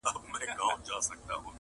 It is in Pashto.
د ځوانۍ په خوب کي تللې وه نشه وه -